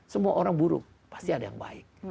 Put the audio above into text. semua orang buruk pasti ada yang baik